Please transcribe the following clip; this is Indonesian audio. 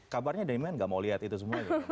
kabarnya dari mana nggak mau lihat itu semuanya